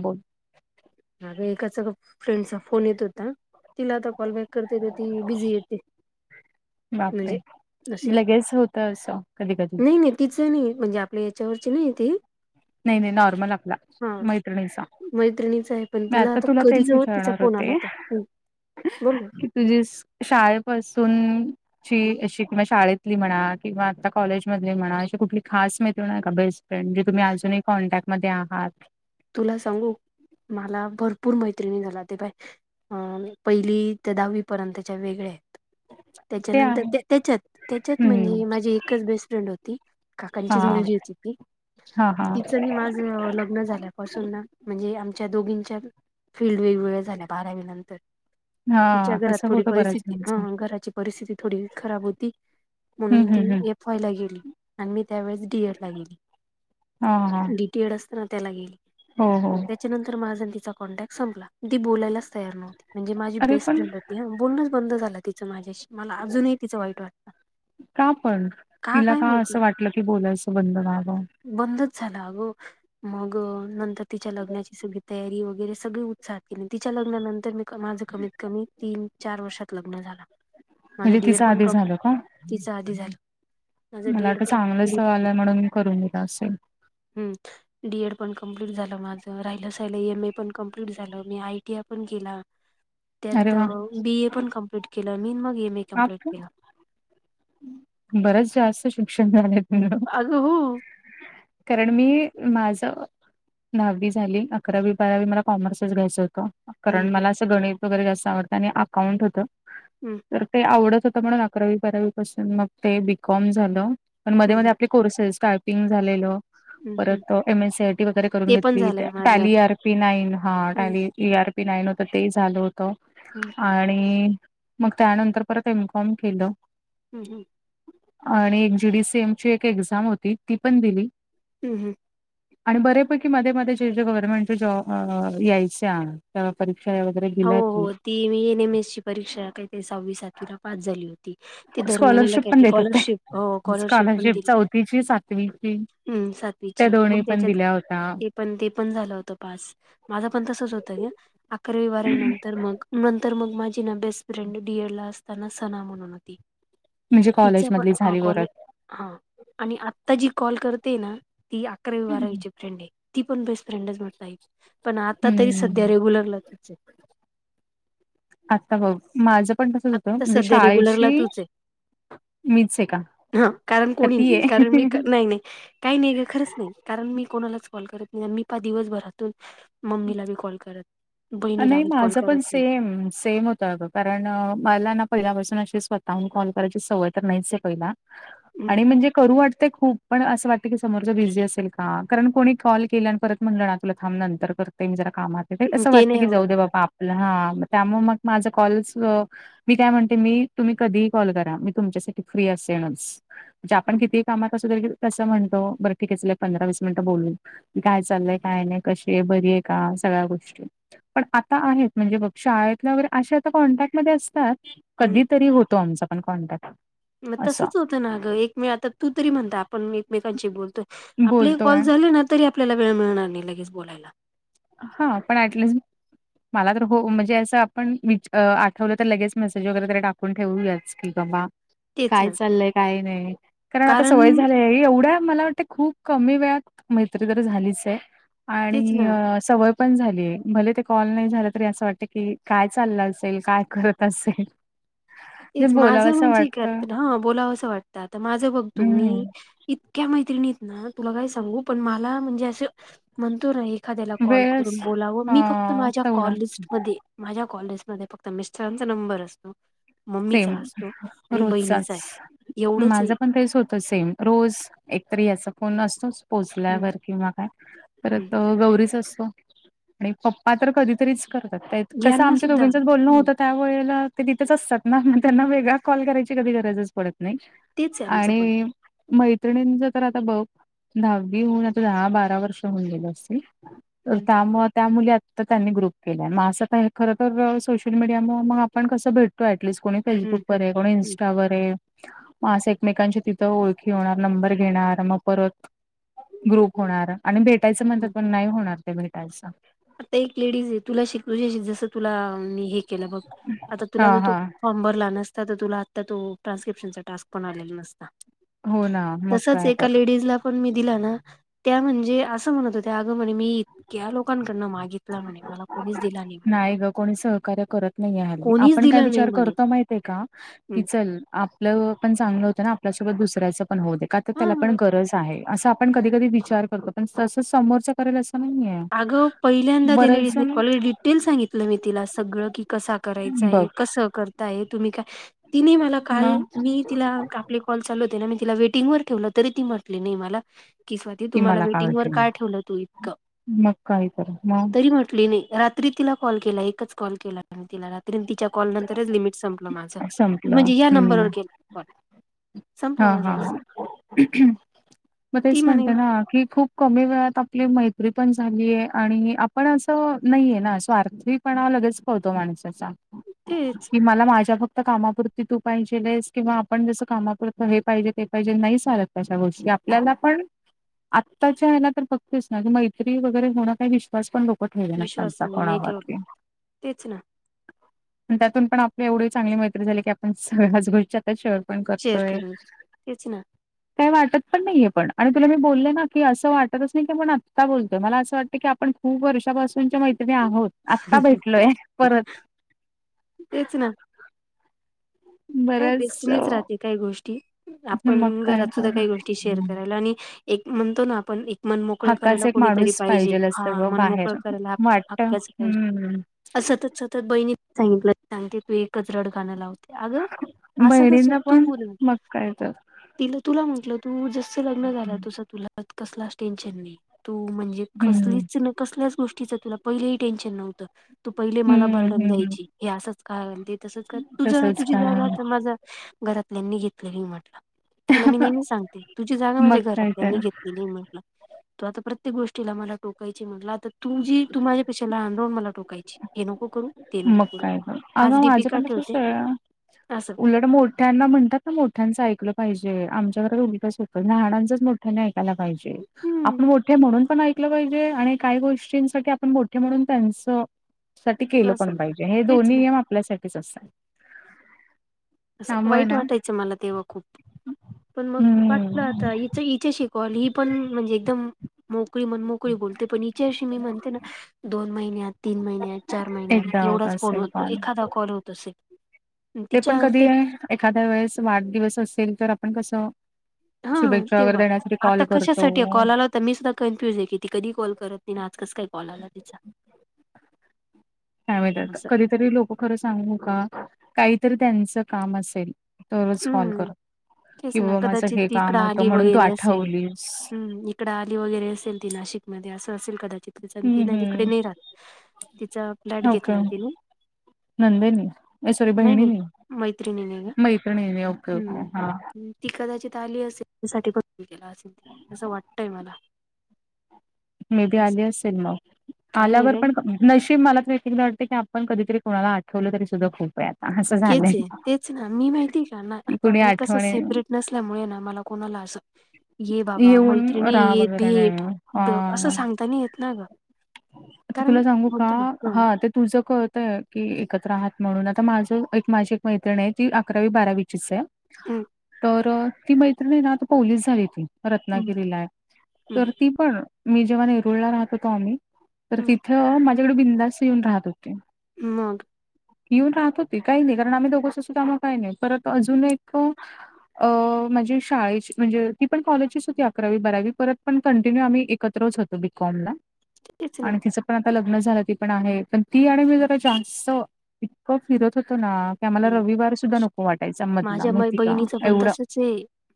बोल. माग एकाचा, फ्रेंडचा फोन येत होता. तिला आता कॉल बॅक करतें तरं ती बिझी येते. बापरे! म्हणजे असे लगेच होतं असं कधीं कधीं. नाही नाही तिचं नाहीं, म्हणजे आपल्या याच्यावरची नाहीं ती. नाहीं नाहीं, नॉर्मल आपला, हा मैत्रिणीचा‌ मैत्रिणीच आहे पण मी तिला आता तुला कधी तेचं नव्हत तिचा विचारणार फोन आला होतें. होता हम्म बोल ना तुझी शाळेपासून ची, अशी किंवा शाळेतली म्हणा, किंवा आता कॉलेज मधंली म्हणा, अशी कुठली खास मैत्रिण आहे कां बेस्ट जे तुम्हीं अजूंनही कॉन्टॅक्टमध्ये आहात. तुला सांगू मला भरपूर मैत्रिणी झाला ते बाय अ पहिली ते दहावी पर्यंतच्या वेगळया आहे ते त्यांच्यानंतर, आहे त्यांच्यांत, त्यांच्यांत हम्म म्हणजे माझी एकचं बेस्ट फ्रेंड होती. हा काकांचीच मुलगी होती ती हा हा तिचं माझं लग्नं झालं पासुन ना म्हणजे आमच्या दोघींच्या फील्ड वेगवेगळ्या झाल्या बारावी नंतर. तिच्या हा घरात तसं थोडी होतं बऱ्याच परिस्थिती जणांचं हं हं घराची परिस्थिती थोडी खराब होती हम्म म्हणूंन ती हम्म हम्म एक वायला गेलीं, आणि मी त्यावेळेस डी, एड ला गेलीं. ह हा टी एड असताना त्याला गेली. हो हो त्याच्यानंतर माझा तिचा कॉन्टॅक्ट संपला ती बोलायलाच तयार नव्हती, म्हणजे माझी अरे बेस्ट पण फ्रेंड बोलणंच बंद झालं तिचं माझ्याशी मला अजूंनही तिचं वाईट वाटतं. कां पणं का तिला काय कां माहिती असं वाटलं की बोलायचं बंद व्हावं. बंदच झाला अगो मंग नंतर तिच्या लग्नाची सगळी तयारी वगैरे सगळें उत्साहात केली तिच्या लग्नानंतर मी माझं कमीत कमी. तीनं चार वर्षात लग्नं झालं माझं म्हणजे डीएड तिचं पणं आधी क झालं का? तिचं आधी झालं. माझं मला डीएड आता पण चांगलं स्थळं आलं, म्हणूंन मी करूंन दिला असेल. हम्म, डी एड पणं कम्प्लीिट झालं माझं राहिलंसाहिलं एम ए पणं कम्प्लीट झालं मी आय टी आय पणं केलां. अरे त्यात, वा! बी ए पणं कमप्लीट केलं मी मंग एम ए कमप्लीट आप केलं. बरंच जास्तं शिक्षणं झालंय तुझं. अगं हो कारणं मी माझं. दहावी झालीं, अकरावी बारावी मला कॉमर्सच घ्यायंच होतं हम्म कारणं हम्म मला असं गणितं वगैरे जास्तं आवडतं आणि अकाउंट होतं. हम्म तरं ते आवडतं होतं, म्हणूंन अकरावी, बारावी पासून मग ते बीकॉम झालं. पणं मध्यें हम्म मध्यें आपले कोर्सेस कांयपिंग झालेलं हम्म हम्म. परंत एम एस सीआर टी वगैरें करूंन ते पण घेतली झालंय माझं टॅली आर पी नाईन हां हम्म Tally E R P nine होतं ते झालं होतं हम्म आणि मंग त्यांनंतर परंत एम्कॉर्म केलं हम्मं हमं आणि एक जीडीसी एम ची एक एक्झांम होती ती पणं दिली हम्मं हम्मं आणि बरेपैकी मध्यें मध्यें जे जे गव्हर्नमेंटचे जॉब यांयचे परीक्षा वगैरें हो दिल्यांतं की हो ती मी एन एम एस ची परीक्षा कांहीं ते सहावी सातवीला पास झालीं होती. ते दरं महिन्यांला स्कॉलरशिप कायं पण ते देत होते स्कॉलरशिप हो स्कॉलरशिप पणं दिली चौथीची सातवीची हम्मं त्या सातवीची दोन्ही मंग पण त्यांच्यात दिल्या होत्या ते पणं ते पणं झालं होतं पास माझं पणं तसंच होतं गं अकरावी बारावीनंतर मंग नंतर मंग माझी नां बेस्ट फ्रेंड डिअर लां असतांना सणां म्हणूंन होती. म्हणजे कॉलेज मधंली झालीं वरतं हां आणि आतां जी कॉल करते नां ती अकरावी हम्म बारावीची फ्रेंड आहे ती पणं बेस्ट फ्रेंडचं म्हणतं पणं आतां तरी संध्या रेग्युलरलाचचं आता बघ माझं पण तसच होतं आत्ता म्हणजे सध्या रेग्युलरला शाळेची तूच आहे. मीच आहे का हा कारण का कोणी ती नाही, कारण मी आहे नाही नाही. काही नाही का खरंच नाही, कारण मी कोणालाच कॉल करत नाही आणि मी पहा दिवसभरातून मम्मीला बी कॉल करत बहिणीला नाही बी कॉल माझं करत पण नाही सेम, सेम होतं अगं. कारण मला ना पहिल्यापासून अशी स्वतःहून कॉल करायची सवय तर नाहीच आहे पहिला. हम्म. आणि म्हणजे करू वाटते खूप पण असं वाटतं की समोरचा बिझी असेल का? कारण कोणी कॉल केला आणि परत म्हणलं ना तुला थांब नंतर करते, मी जरा कामात असं ते वाटतं नाही की आवडत जाऊ दे मला बाबा आपला हा त्यामुळं मग माझं कॉलचं मी काय म्हणते, मी तुम्ही कधीही कॉल करा, मी तुमच्यासाठी फ्री असेनच. म्हणजे आपण हम्म. कितीही कामात असलो की कसं म्हणतो, बरं ठीक आहे चला पंधरा वीस मिनिटं बोलू. काय चाललंय, काय नाही कशी आहे, बरी आहे का, सगळ्या गोष्टी. पण आता आहेत, म्हणजे बघ शाळेतल्या वगैरे अशा तर कॉन्टॅक्टमध्ये असतात. हम्म. कधीतरी होतो आमचा पण कॉन्टॅक्ट. मग असं. तसच होतं ना गं, एकमे आता तू तरी म्हणता आपण एकमेकांशी बोलतोय आपलेही बोलतोय. कॉल झाले ना, तरी आपल्याला वेळ मिळणार नाही लगेच बोलायला. हा पण ऍटलीस्ट मला तर हो, म्हणजे असं आपण आठवलं तर लगेच मेसेज वगैरे तर टाकून ठेवूयाच. की बाबा, तेच काय ना चाललय, काय नाही, कारण आता सवय झाले एवढ्या मला वाट खूप कमी वेळात मैत्री तर झालीच आहे, तेच आणि ना अ सवय पण झालीए. भले ते कॉल नाही झाला तरी असं वाटत की, काय चाललं असेल? काय करत असेल. तेच म्हणजे माझं बोलावसं म्हणजे, वाटतं. ह बोलावं असं वाटतं आता माझं बघ तु हं. मी इतक्या मैत्रिणी आहे ना, तुला काय सांगू, पण मला म्हणजे असं म्हणतो ना एखाद्याला कॉल वेळच करून बोलावं, अ मी फक्त माझ्या तेवढा कॉल लिस्टमध्ये माझ्या कॉललिस्ट मध्ये फक्त मिस्टरांचा नंबर असतो. सेम, मम्मीचा असतो आणि बहिणीचा रोजचाच आहे एवढंच आहे माझं पण तेच होत. त सेम रोज एकतरी याचा फोन असतोच हम्म, पोचल्यावर किंवा हम्म. परत अ गौरीचा असतो आणि पप्पा तर कधीतरीच कर तात, कसं यांना आमच्या सुद्धा दोघींचच बोलणं हम्म, होतं त्या वेळेला ते तिथेच असतात. ना, मग त्यांना वेगळा कॉल करायची कधी गरजच पडत नाही तेच आहे आमचं पण आणि मैत्रिणींच तर आता बघ, दहावी होउन आता दहा बारा वर्ष होऊन गेलं असतील. अ हम्म त्या मग त्या मुली आता त्यांनी ग्रुप केलाय, मग असं काय खरं तर सोशल मीडियामुळं मग आपण कसं भेटतो स कोणीे हम्म फेसबुकवर हम्म आहे कोणी इंस् हम्म वरे मग असं एकमेकांची तिथं ओळखी होणार, नंबर घेणार मग परत ग्रुप होणार आणि भेटायचं म्हणतात हम्म पण नाही होणार ते भेटायचं. आता एक लेडीज आहे, तुला शिकवेल जसं तुला मी हे केलं बघ आता तुला हा ज तो हा फॉर्म भरला नसता तर तुला आता तो ट्रानस्क्रिप्शनचा टास्क पण आलेला नसता. हो ना मग तसच काय तर एका लेडीज ला पण मी दिला ना, त्या म्हणजे असं म्हणत होत्या, आग म्हणे मी इतक्या लोकांकडनं मागित तला म्हणे, मला कोणीच दिला नाही. म्हणतो नाही ग कोणी सहकार्य करत नाहीये हल्ली, कोणीच आपण काय दिलं नाही विचार म्हणे करतो माहित आहे का? की हम्म. चल आप आपलं पण चांगलं होतं ना आपल्यासोबत दुसऱ्याचं पण होउदे, का तर त्याला पण हा गरज आहे असं आ पण कधी कधी विचार करतो पण तसं समोरचं करेल असं नाहीये. अगं पहिल्यांदा त्या बरेच लेडीजने जण कॉल डिटेल सांगितलं मी तिला सगळं की कसा करायच आहे, बघ कस करताय तुम्ही काय तिने मला काल मग मी तिला आपले कॉल चालू होते ना, मी तिला वेटिंग वर ठेवलं तरी ती म्हटली नाही मला की स्वीती तु मला काय वेटंगर होते का नाही ठेवलं तू इतकं. मग काय करूत मान. कुठली मी रात्री तिला कॉल केला एकच कॉल केला मी तिला रात्री तिच्या कॉल नंतरच लिमिट संप माझा संपलं म्हणजे या हम्म नंबरवर केला कॉल. संपला हा हा माझा असं मग ती तेच म्हणे म्हणते ना की खूप कमी वेळात आपली मैत्री पण झालीये आणि आपण असं नाहीये ना स्वार्थी पणा लगेच कळतो माणसाचा. तेच कि मला माझ्या फक्त कामापुरती तू पाहिजेलेस किंवा आपण जस कामा पु हे पाहिजे ते पाहिजे नाही चालत तश्या गोष्टी आपल्याला पण आत्ताच्या याला तर फक्तीस नाग मैत्री वगैरे होणं काही विश्वास पण लोक विश्वास [unintelligible] कोणा नाही ठेवला वरती. तेच ना आणि त्यातून पण आपली एवढी चांगली मैत्री झाली की आपण सगळ्याच गोष्टी आता शेअर पण शेअर करतोय. करून तेच ना. काय वाटत पण नाहीये पण आणि तुला मी बोलले ना की असं वाटतच नाही की आपण आत्ता बोलतोय मला असं वाटत की आपण खूप वर्षपासूनच्या मैत्रिणी आहोत. आत्ता भेटलोय परत तेच ना. काय बरंच अ, बेस्टीनीच राहते काही गोष्टी. मग आपण काय घरात सुद्धा तर काही गोष्टी शेअर करायला आणि एक म्हणतो ना आपण एक मनमोकळं करायला हक्काचा एक कोणीतरी माणूस पाहिजे पाहिजेल हा असतं ग मनमोकळं बाहेर करायला हक्या वाटत हक्याच हम्म पाहिजे. सतत सतत बहिणी सांगितलं सांगते तू एकच रड गान लाव अगं असं कसं बहिणींना तू पण बोल. मग काय तर तिले तुला म्हटलं तू जस लग्न झालं तसं तुला यात कसलाच टेन्शन नाही तू म्हणजे हम्म कसलीच न कसल्याच गोष्टीच तुला पहिलेही टेन्शन नव्हतं तू पहिले मला हम्म बर्डन हम्म द्यायची हे असंच का अनि ते तसच का तुझ तसच तुझी जागा काय आता माझा घरातल्यांनी घेतलेली ये म्हटलं. तिला मी नेहमी सांगते तुझी जागा मग माझ्या काय घरातल्यांनी तर घेतलेली म्ह टल तु आता प्रत्येक गोष्टीला मला टोकायची म्हटल आत तर तू जी तू माझ्या माझ्यापेक्षा लहान राहून तू मला टोकायची हे नको करू ते ते मग नको करू काय तर हाच अगं डी पी माझं का पण ठेवते तसच आहे असं. उलट मोठ्यांना म्हणतात ना मोठ्यांचं ऐकलं पाहिजे आमच्या घरात उलटंच होतं लहानांचंच मोठ ठ्याने ऐकायला पाहिजे हम्म आपण मोठे म्हणून पण ऐक ऐकलं पाहिजे आणि काही गोष्टींसाठी आपण मोठे म्हणून त्यांच साठी केलं पण असं पाहिजे हे तेच दोन्ही ना. नियम आपल्यासाठीच असतात. असं त्यामुळे वाईट ना वाटायचं मला तेव्हा खूप पण मग वाटलं हम्म आता इच इच्याशी कॉल ही पण म्हणजे एकदम मोकळी म्हण मोकळी बोलते पण इच्याशी मी म्हणते ना दोन महिन्यांत तीन महिन्यात चार महिन्यात एकदा होत एवढाच फोन असेल होतो पण एखादा कॉल होत असेल म तिच्या ते आहे एखाद्या वेळेस वाढदिवस असेल तर आपण कसं हा शुभेच्छा वगैरे तेव्हा देण्यासाठी आता कॉल करतो कशासाठी कॉल आला होत त मी सुद्धा कन्फ्युज आहे की ती कधी कॉल करत नाही आणि आज कस काय कॉल आला तिचा. काय माहीत आता असं. कधीतरी लोक खरं सांगू का काहीतरी त्यांचं काम असेल तरचं कॉल हम्म कर तेच कि ना बाबा माझं कदाचित हे ती इकडं काम होतं आली म्हणून तू आठवलीस. इकड आली वगैरे असेल ती नाशिकमध्ये असं असेल कदा चिंत तिच ती हम्म ना तिकडे हम्म नाही राहात तिचा फ्लॅट घेतलाय तिने नंदेनी नाही सॉरी नाही नाही बहिणीनी मैत्रिणीने ग मैत्रिणीनी हम्म ती कदाचित आली असेल त्या साठी [unintelligible] केला असेल तिने असं वाटतय मला. नाही ती आली असेल मग काही नाही आल्यावर काय पण क नशीब मला एक एकदा वाटतं की आपण कधीतरी कोणाला आठवलं तरी सुद्धा खूप ये. केचे तेच ना मी माहितीय का ना की आता कुणी मी कसं आठवणे सेपरेट नसल्यामुळे ना मला कोणाला असं ये बाबा येऊन मैत्रिणी राहा येत वगैरे नाही भेट, द असं हा. सांगता नही येत ना ग. आता कारण तुला सांगू का म्हणतो ना हा ते तुमचं कळतय की एकत्र आहात म्हणून, आता माझ एक माझी एक मैत्रिणी आहे, ती अकरावी बारावीचीच आहे. हं, तर ती मैत्रिणी ना, आता पोलीस झाली ती. हं, रत्नागिरीलाय हं, तर ती पण, मी जेव्हा नेरुळला राहत होतो आम्ही. तर हं, तिथं माझ्याकडे बिंधास येऊन राहत होती. मग! येऊन राहत होती काही नाही, कारण आम्ही दोघंच असूत आम्हा काही नाही, परत अजून एक अ माझी शाळेची म्हणजे, ती पण कॉलेजचीच होती अकरावी बारावी, परत पण कंटिन्यू आम्ही एकत्रच होत बीकॉम ला तेच ना आणि तिच पण आता लग्न झालं ती पण आहे, पण ती आणि मी जरा जास्त इतकं फिरत होतो ना. कीं आम्हाला हं. रविवार सुद्धा नको वाटायचा मधला, माहिती का एवढं. चे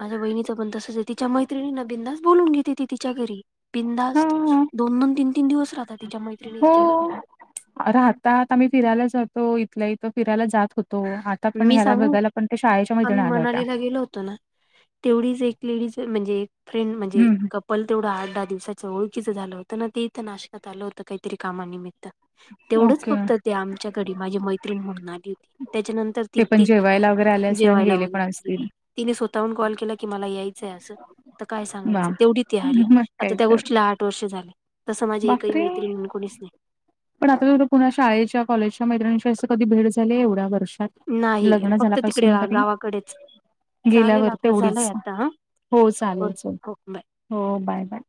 माझ्या वहिणीचं पण तसच हे, तिच्या मैत्रिणी ना बिनंदास बोलून घेती ती तिच्या घरी. बिंधास्त हां. दोन, दोन तीन, तीन दिवस राहतात तिच्या मैत्रिणी तिच्याक हो. राहतात आम्ही फिरायला जातो, इथल्या इथ फिरायला जात होतो आ ता पण मी ह्याला सांगू बघायाला पण ते शाळेच्या मैत्रीनि आम्ही आल्या होत्या. मनालीला गेलो होतो ना तेवढीचं एक लेडिज म्हणजे, फ्रेंड म्हणजे, हम्म. कप पल तेवढं आठ दहा दिवसाच, ओळखीच झालं होतं ना ते इथं नाशकात आलं होतं, काहीतरी कामानिमित तेवढंच ओके. फक्त, ते आमच्या घडी माझी मैत्रीण म्हणून आली होती त्याच्यानंत ती ते पण ती जेवायला वगैरे आले असेल आणि जेवायला गेले पण वगैरे, असतील तिने स्वतःहून कॉल केला की मला यायचंय असं. त काय सांगायच, वा तेवढी ती आली मग आता काय त्या तर. गोष्टीला ला आठ वर्ष झाले, तसं माझ एकही बापरे! मैत्रीन म्हणून कोणीच नाही. पण आता सुुधा पुन्हा, शाळेच्या, कॉलेजच्या, मैत्रीनीशी असं कधी भेट झाली एवढ्या वर्षात. नाही, लग्न फक्त झाल्यापासून तिकडे तरी गावाकडेच. चालेल गेल्यावर आपला तेवढीच, झालाय आता हा हो चालेल चल हो, बाय हो बाय, बाय.